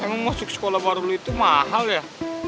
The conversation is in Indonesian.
emang masuk sekolah baru lu itu mahal ya